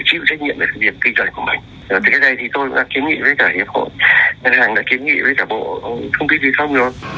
ngân hàng đã kiếm nghị với cả bộ thông tin viên thông luôn